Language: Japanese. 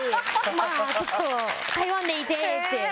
今、ちょっと台湾にいてって。